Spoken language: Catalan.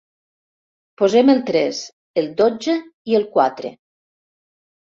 Posem el tres, el dotze i el quatre.